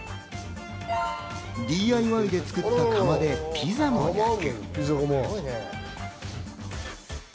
ＤＩＹで作った窯でピザも焼く。